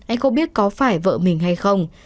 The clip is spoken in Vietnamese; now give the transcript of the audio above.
anh không biết có phải vợ mình hay không